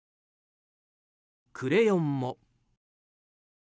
クレヨンも。